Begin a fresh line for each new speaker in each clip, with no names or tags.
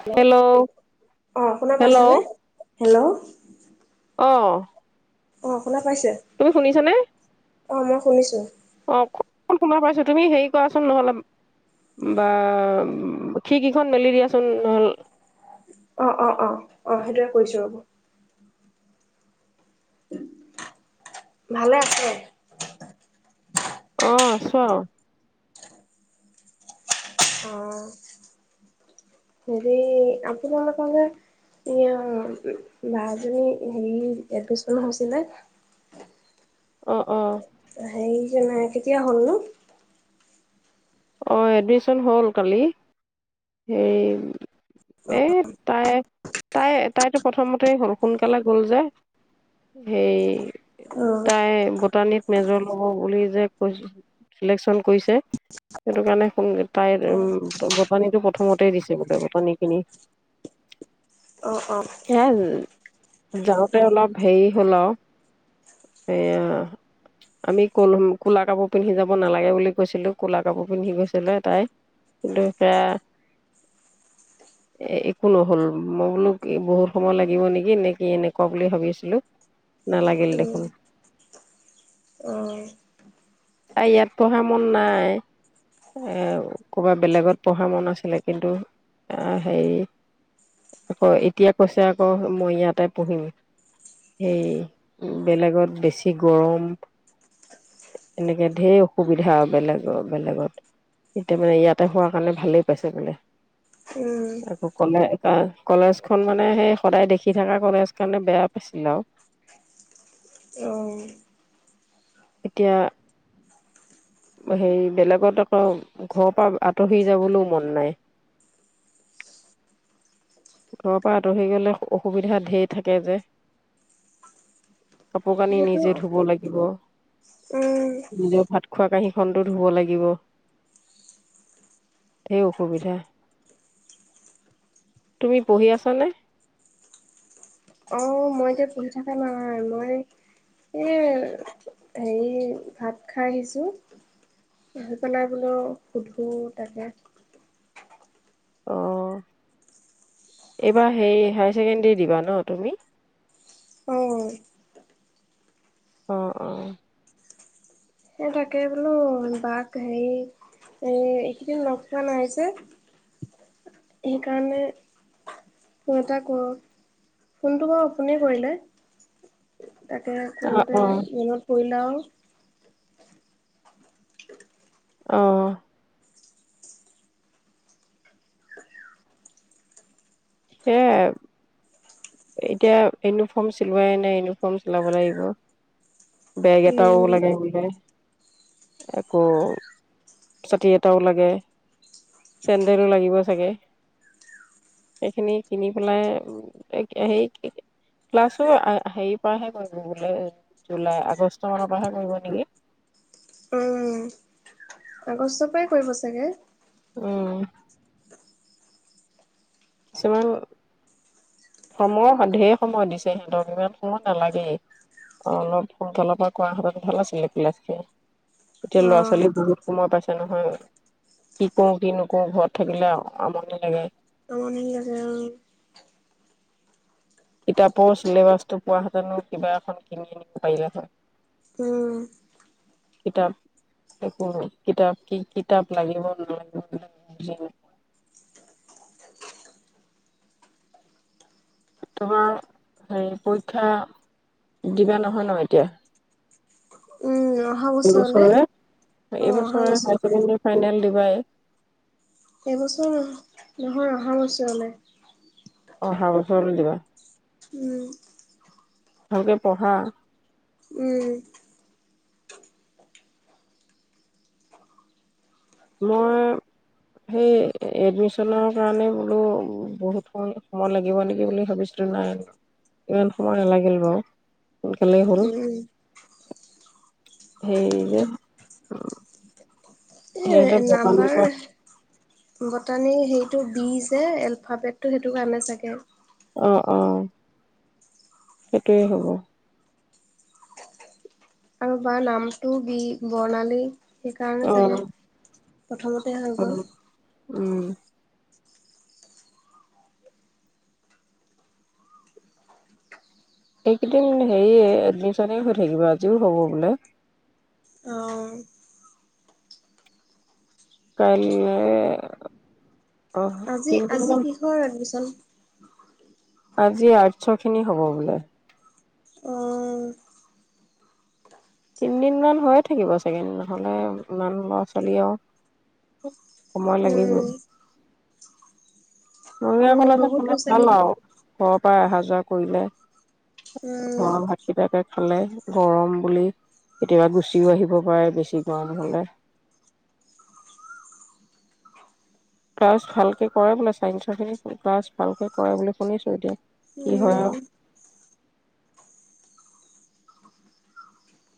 Hello অ' শুনা
hello
পাইছেনে? হেল্ল'
অ'
অ' শুনা।
তুমি শুনিছানে?
অঁ মই শুনিছোঁ।
অ'অকণমান শুনা পাইছো তুমি হেৰি কৰাচোন নহ'লে বা খিৰিকী খন মেলি দিয়াচোন নহ'লে।
অ'- অ- অ -অ সেইটৰে কৰিছো ৰ'ব। ভালে আছে?
অ' আছো আৰু।
অ' হেৰি আপোনালোকৰ যে বা জনী হেৰি এডমিশন হৈছিলে।
অ'অ'
সেই যেনে কেতিয়া হ'ল নো
অ' এডমিচন হ'ল কালি হে এ তাই। তাই তাইতো প্ৰথমতে হ'ল সোনকালে গ'ল যে সেই
অ
তাই বটানীত মেজৰ হব বুলি যে কৈ চিলেকচন কৰিছে সেইটো কাৰণে সংগত তাইৰ উম পানীটো প্ৰথমতেই দিছে বোলে ব পানী কিনি
অ অ
সে যাওঁতে অলপ হেৰি হ'ল আৰু এয়া আমি কল কলা কাপোৰ পিন্ধি যাব নালাগে বুলি কৈছিলো ক'লা কাপোৰ পিন্ধি গৈছিলে তাই কিন্তু সেয়া একো নহল মই বোলো বহুত সময় লাগিব নেকি নে কিি এনেকুৱা বুলি ভাবিছিলো নালাগিল দেখোন,
উম অ
তাই ইয়াত পঢ়াৰ মন নাই এ ক'বাত বেলেগত পঢ়া মন আছিলে কিন্তু আহ হেৰি আকৌ এতিয়া কৈছে আকৌ মই ইয়াতে পঢ়িম হেই বেলেগত বেছি গৰম এনেকে ঢেৰ অসুবিধা আৰু বেলেগ বেলেগত এতিয়া মানে ইয়াতে হোৱাৰ কাৰণে ভালেই পাইছে বোলে
উম
তাকে অকলে কলেজখন মানে সেই সদায় দেখি থকা কলেজ কাৰণে বেয়া পাইছিল আৰু
অ
এতিয়া হেৰি বেলেগত আকৌ ঘৰৰ পৰা আঁতৰি যাবলৈও মন নাই ঘৰৰ পৰা আঁতৰি গলে অসুবিধা ধঢেৰ থাকে যে কাপোৰ কানি
সেইটো
নিজে ধুব লাগিব
উম
নিজে ভাত খোৱা কাঁহীখনতো ধুব লাগিব ঢেৰ অসুবিধা তুমি পঢ়ি আছানে
অঁ মই এতিয়া পঢ়ি থাকা নহয় মই এই হেৰি ভাত খাই আহিছোঁ আহি পেলাই বোলো সোধোঁ তাকে
অ এইবাৰ হে হায়াৰ ছেকেণ্ডৰী দিবা ন তুমি
অ
অ অ
এ তাকে বোলো বাাক হে এই এইকেইদিন লগ পোৱা নাইি যে সেইকাৰণে ফোন এটা ক ফোনটো বাৰু অপোনে কৰিলে তাকে
অ
কৰোতে
অ
মনত পৰিল ন
আহ সেয় এতিয়া ইউনিফৰ্ম চিলোৱাই নাই ইউনিফৰ্ম চিলাব লাগিব বেগ এটাও
উম
লাগে বোলে আকৌ চাতি এটাও লাগে চেণ্ডেলো লাগিব চাগে সেইখিনি কিনি পেলাই হে ক্লাছো হেৰিৰ পৰাহে কৰিব বোলে জুলাই আগষ্ট মানৰ পৰাহে কৰিব নেকি
উম আগষ্টৰ পৰাই কৰিব চাগে
উম কিছুমান সময় ঢেৰ সময় দিছে সিহঁতক ইমান সময় নালাগেই অলপ সোনকালৰ পৰা কৰা হতন ভাল আছিলে কিলাচিকে এতিয়া
অ
লৰা ছোৱালী বহুত সময় পাইছে নহয় কি কৰো কি নকৰো ঘৰত থাকিলে আমনি লাগে
আমনি লাগে
কিতাপৰ চিলেবাছটো পোৱ হেতেনো কিবা এখন কিনি আনিব পাৰিলে হয়
উম
কিতাপ একো কিতাপ কি কিতাপ লাগিব নালাগিব বু ন তোমাৰ হেৰি পৰীক্ষা দিবা নহয় ন এতিয়া
উম অহা বছৰলে
এইবছৰে,
অ অহা
এইবছৰে
বছৰলে
হায়ছেকেণ্ডাৰী ফাইনেল দিবাই।
এবছৰ নহয় অহা বছৰলৈ।
অহা বছৰলৈ দিবা।
উম।
ভালকে পঢ়া।
উম।
মই সেই এডমিশনৰ কাৰণে বোলো বহুত সময় সময় লাগিব নেকি বুলি ভাবিছিলোঁ নাই আৰু ইমান সময় নালাগিল বাৰু। সোনকালেই হ'ল।
উম
সেই যে
এ
সিহঁতে বটানীৰ
নাম্বাৰ
পৰা
বতানি সি। এইতো দি জ এলফাবেত তু সেইতো কাৰনে চাগে।
অহ অহ [unintelligible]
কাৰো বা নাম টো বী বৰ্ণালী। সেইকাৰণ
অ
চাগে। প্ৰথমতে হৈ
অ
গ'ল।
ঔ। এইকেইদিন হেৰি এডমিশনে ইয় থাকিব আজিও হব বুলে।
অ।
কাইলে। অ
আজি
তিনদিন
আজি
মান
কিহৰ এডমিচন।
আজি আৰ্টৰ খিনি হব বোলে।
অ।
তিনি দিন মান হয়ে ঠাকিব চাগে নহলে সময় লাগিব।
উম,
[unintelligible] ম [inaudible]
উম,
ভাল আৰু
বহুত
ঘৰৰ
ল'ৰা ছোৱালী
পৰাই অহা যোৱা [inaudible] জুৱা কৰি লোবা।
উম,
অ ভাতকীতাকে পালে গৰম বুলি কেতিয়াবা গুচিও আহিব পাৰে বেছি গৰম হলে। ক্লাছ ভালকে কৰে বুলে ছাইনচৰ খিনি, ক্লাছ ভালকে কৰে বুলি সোনিছো এতিয়া কি হয়
উম।
আৰু।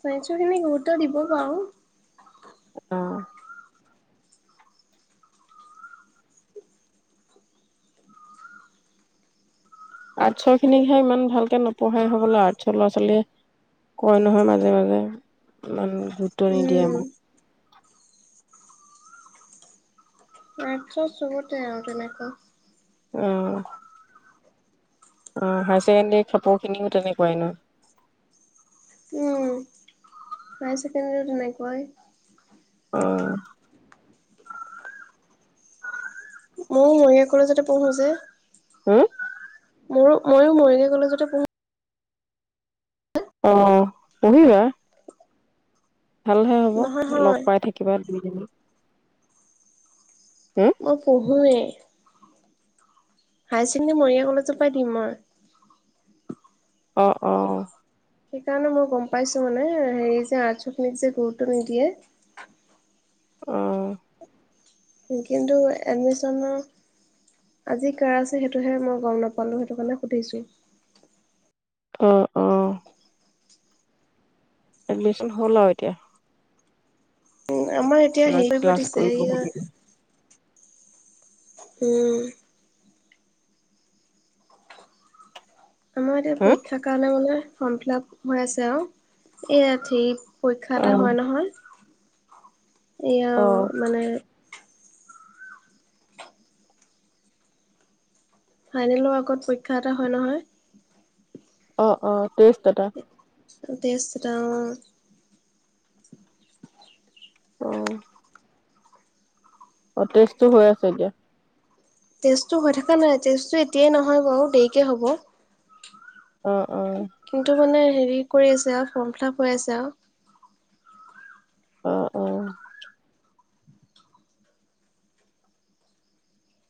ছাইনচৰ খিনীগুৰুত্ব দিব বাৰু।
আহ। আৰ্টছৰ খিনিকহে ইমান ভালকে নপঢ়াই হবলৈ আৰ্টচৰ ল'ৰা ছোৱালীয়ে কয় নইয় মাজে মাজে ইমান গুৰুত্ব নিডিএ
উম,
আমাক।
আৰ্টৰ ছবতে আৰু তেনেকুৱা।
উ। আহ হায়াৰ ছেকেণ্ডৰী
হায়াছেকেণ্ডৰীতো নাইকুৱাই [unintelligible]
অ।
মই মৰিয় কলেজতে পৰহোজে।
হম
মোৰো ময়ো মৰিগাঁও কলেজতে পঢ়ো।
অ পহিবা। ভালহে হ'ব
নহয়
লগ
নহয়
পাই থাকিবা [inaudible] হম
মই কৰিম হয় হায়াৰ ছেকেণ্ডেৰী মৰিগাঁও কলেজৰ পৰাই দিম মই।
অ অ
সেইকাৰণে মই গম পাইছো মানে হেৰি যে আৰ্টশ খিনিক যে গুৰুত্ব নিদিয়ে
আহ
কিন্তু এডমিশনৰ আজি কাৰ আছে সেইটোহে মই গম নাপালোঁ সেইটো কাৰণে সুধিছোঁ
অ অ এডমিশন হ'ল আৰু এতিয়া
আমাৰ এতিয়া
ক্লা
হেৰিয়া
ক্লাছ
পাতিছে
কৰিবহে
হেইয়া
লাগিব
উম আমাৰ এতিয়া
হা
পৰীক্ষাৰ কাৰণে মানে ফৰ্ম ফিল আপ হৈ আছে আৰু ইয়াতেই পৰীক্ষা
অ
এটা হয় নহয় এয়া
অ
আৰু মানে ফাইনেলৰ আগত পৰীক্ষা এটা হয় নহয়
অ অ তেজট এটা
টেষ্ট এটা অঁঃ
অ অ তেষ্টো হৈ আছে এতিয়া
টেষ্টটো হৈ থকা নাই টেষ্টটো এতিয়াই নহয় বাৰু দেৰিকে হ'ব
অ অ
কিন্তু মানে হেৰি কৰি আছে আৰু ফৰ্ম ফিল আাপ হৈ আছে আৰু
অ অ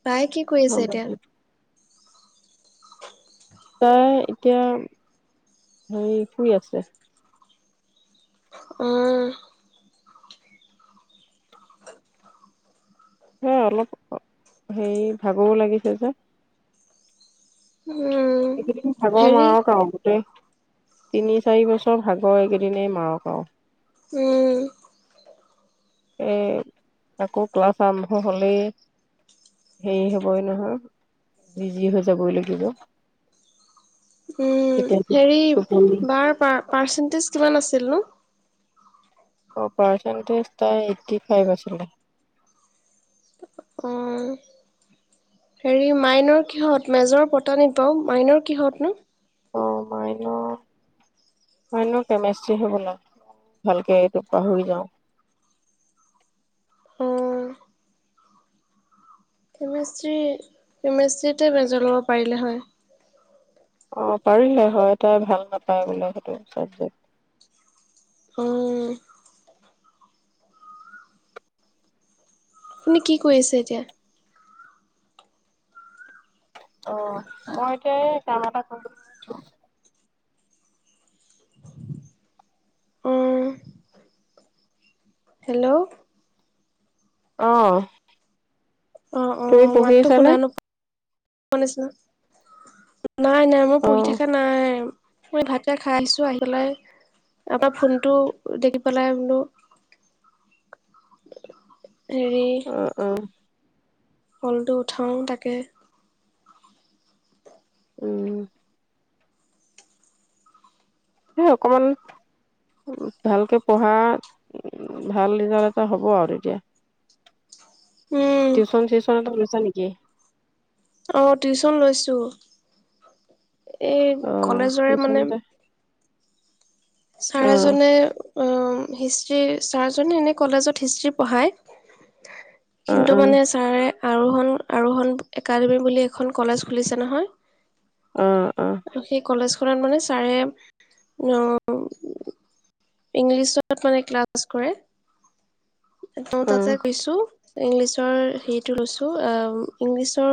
তাই কি কৰি
হ'ব
আছে এতিয়া
দিয়া তাই এতিয়া হেৰি শুই আছে
অ
এ অলপ হেৰি ভাগৰো লাগিছে যে
উম,
এইকেইদিন ভাগৰ
হেৰি
মাৰা কাম গোটেই তিনি চাৰি বছৰ ভাগৰ এইকেইদিনেই মাৰক আৰু
উম
এ আকৌ ক্লাছ আৰম্ভ হ'লেই হেৰি হ'বই নহয় বিজি হৈ যাবই লাগিব
উ
তেতিয়া
হেৰি
টোপনি
বাৰ পাৰ পাৰ্চেন্টেজ কিমান আছিল নো
অ পাৰ্চেণ্টেজ তাই এইট্টি ফাইভ আছিলে
অঁ হেৰি মাইনু কিহত মেজৰ পতা নাপাওঁ মাইনু কিহঁত নো
অঁ মাইনু মাইনু কেমেষ্ট্ৰি হবলা ভালকে এইটো পাহৰি যাওঁ
উম কেমেষ্ট্ৰি কেমেষ্ট্ৰিতে মেজৰ ল'ব পাৰিলে হয়
অ পাৰিলে হয় তাই ভাল নাপায় বোলে সেইটো চাবজেক্ট
অঁঃ আপুনি কি কৰি আছে এতিয়া
অ মই এতিয়া কাম এটা
উম, হেল্ল'
আহ
অ অ মাতো শুনা নোপা শনিছ ন নাই নাই
অ
পঢ়া নাই মই ভাতকে খাই আহিছো আহি পেলাই আমাৰ ফোনটো দেখি পেলাই বলো
অ উ
ফলটো উঠাও তাকে
উম [inaudible] স অকমান ভালকে পঢ়া ভাল ৰিজাল্ট এটা হ'ব আৰু এতিয়া
উম
টিউশন চিউচন হয় নেকি? [inaudible]
অ টিউচন লৈছোঁ এই
অ
কলেজৰে
টিউচন
মানে
এটা অ
চাৰজনে অ হিষ্ট্ৰী ছাৰজনে এনে কলেজত হিষ্ট্ৰী পঢ়ায়
অ
কিন্তু মানে ছাৰে আৰোহণ আৰোহণ একাডেমী বুলি এখন কলেজ খুলিছে নহয়
অ
সেই ক কলেজখনত মানে ছাৰে ইংলিছত মানে ক্লাছ কৰে [unintelligible]
অ অ
তাতে কৈছো ইংলিছৰ হেৰিটো লৈছো ইংলিছৰ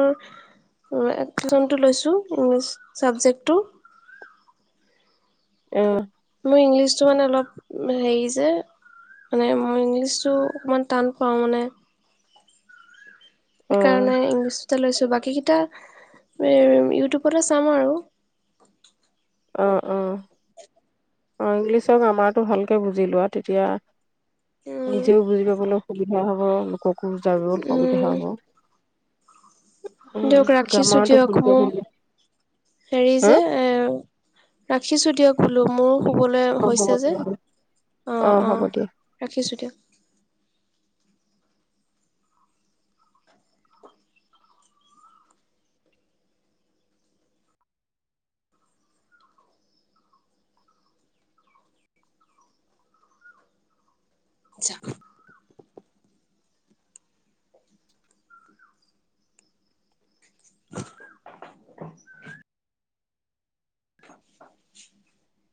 [unintelligible] লৈছো ইংলিছ চাবজেক্টটো
অ
মোৰ ইংলিছটো মানে অলপ হেৰি যে মানে মই ইংলিছটো অকণমান টান পাওঁ মানে সেইকাৰণে ইংলিছ বাকী কেইটা ইউটিউবতে চাম আৰু
অ অ অ ইংলিছক গ্ৰামাৰটো ভালকে বুজি লোৱা তেতিয়া
উম
নিজেও বুজিবা বোলো সুবিধা হ'ব [unintelligible] যাৰত সুবিধা
উম
হ'ব উম
দিয়ক ৰাখিছো
গ্ৰামাৰটো
দিয়ক
ভালকে
ম
বুজি লোৱা।
হেৰি
হা
যে এ ৰাখিছো দিয়ক [inaudible] শুবলৈ
অ হ'ব
হৈছে যে
দিয়া অ
অঁ
হ'ব
অঁ
দিয়া
ৰাখিছোঁ দিয়ক [inaudible] [inaudible] [inaudible]